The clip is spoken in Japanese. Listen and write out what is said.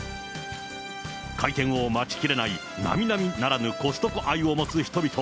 開店を待ちきれないなみなみならぬコストコ愛を持つ人々。